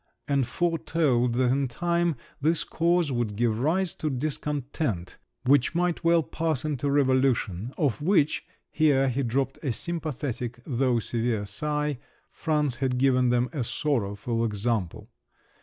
and foretold that in time this cause would give rise to discontent, which might well pass into revolution, of which (here he dropped a sympathetic though severe sigh) France had given them a sorrowful example!